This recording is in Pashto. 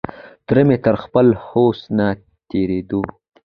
تره مې تر خپل هوس نه تېرېدو.